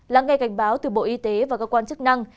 lắng nghe cảnh báo từ bộ y tế và cơ quan chức năng